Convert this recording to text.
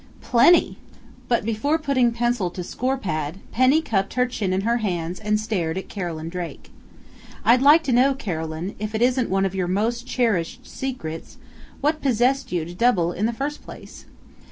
"Plenty!" But before putting pencil to score pad, Penny cupped her chin in her hands and stared at Carolyn Drake. "I'd like to know, Carolyn, if it isn't one of your most cherished secrets, what possessed you to double in the first place?"